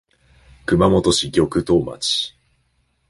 熊本県玉東町